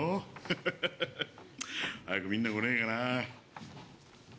ハハハ早くみんな来ねえかなぁ。